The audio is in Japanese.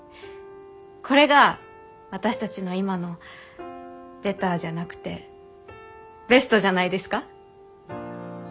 これが私たちの今のベターじゃなくてベストじゃないですか？